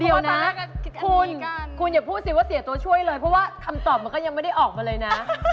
เดี๋ยวนะคุณคุณอย่าพูดสิว่าเสียตัวช่วยเลยเพราะว่าคำตอบมันก็ยังไม่ได้ออกมาเลยนะ